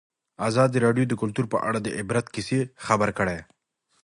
ازادي راډیو د کلتور په اړه د عبرت کیسې خبر کړي.